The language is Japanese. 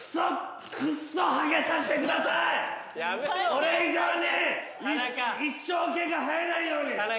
俺以上に一生毛が生えないように！